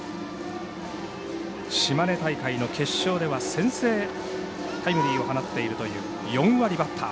島根大会の決勝では先制タイムリーを放っているという４割バッター。